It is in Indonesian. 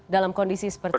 dalam kondisi seperti ini